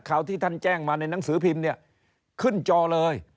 ข่าวที่ท่านแจ้งมาในหนังสือพิมพ์เนี่ยขึ้นจอเลย